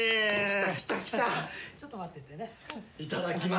いただきます！